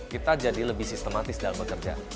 kita jadi lebih sistematis dalam bekerja